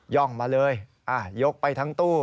่องมาเลยยกไปทั้งตู้